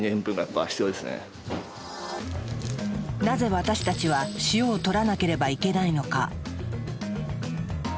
なぜ私たちは塩をとらなければいけないのか？